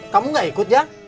kamu enggak ikut ya